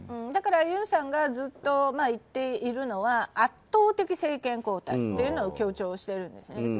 だから、ユンさんがずっと言っているのは圧倒的政権交代というのを強調しているんですよね。